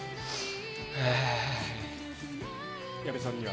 矢部さんには。